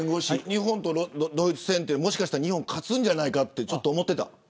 日本とドイツ戦ってもしかして日本勝つんじゃないかと思ってた。